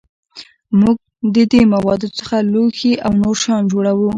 موږ د دې موادو څخه لوښي او نور شیان جوړوو.